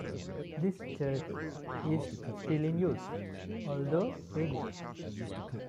This church is still in use, although rebuilt.